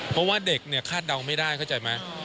เพราะว่าเด็กเนี่ยคาดเดาไม่ได้เข้าใจไหม